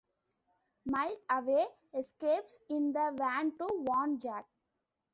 Mile-Away escapes in the van to warn Jake.